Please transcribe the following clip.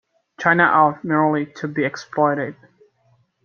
China ought merely to be exploited.